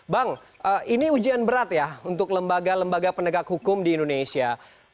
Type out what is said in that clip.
bang ini ujian berat ya untuk lembaga lembaga penegak hukum di indonesia